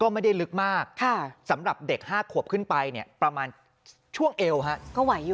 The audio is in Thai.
ไม่ได้ลึกมากสำหรับเด็ก๕ขวบขึ้นไปเนี่ยประมาณช่วงเอวฮะก็ไหวอยู่